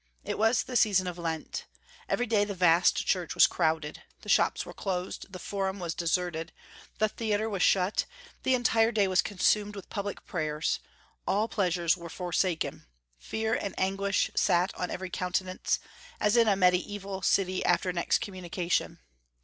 It was the season of Lent. Every day the vast church was crowded. The shops were closed; the Forum was deserted; the theatre was shut; the entire day was consumed with public prayers; all pleasures were forsaken; fear and anguish sat on every countenance, as in a Mediaeval city after an excommunication.